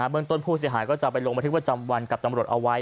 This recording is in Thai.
เมืองต้นผู้เสียหายก็จะไปลงบันทึกประจำวันกับตำรวจเอาไว้